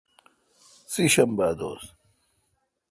سہ شنبہ